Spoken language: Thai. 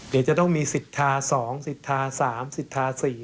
เดี๋ยวจะต้องมีสิทธา๒สิทธา๓สิทธา๔